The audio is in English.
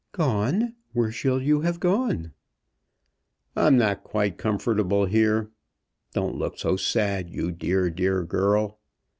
"Gone! where shall you have gone?" "I'm not quite comfortable here. Don't look so sad, you dear, dear girl."